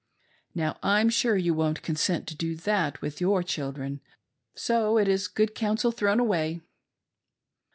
Now I'm sure you won't consent to do that with your children, so it is'good counsel thrown away."